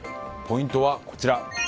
ポイントはこちら。